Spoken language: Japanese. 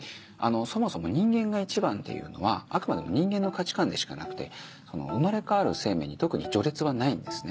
そもそも人間が１番っていうのはあくまでも人間の価値観でしかなくて生まれ変わる生命に特に序列はないんですね。